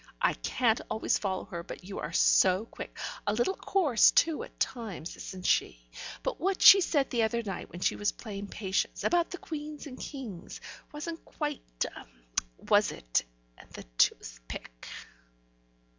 "I can't always follow her, but you are so quick! A little coarse too, at times, isn't she? What she said the other night when she was playing Patience, about the queens and kings, wasn't quite was it? And the toothpick."